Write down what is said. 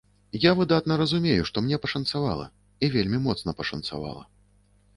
Я выдатна разумею, што мне пашанцавала, і вельмі моцна пашанцавала.